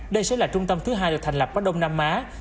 đây sẽ là trung tâm thứ hai được thành lập qua đông nam á